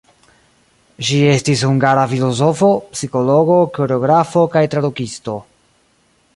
Ŝi estis hungara filozofo, psikologo, koreografo kaj tradukisto.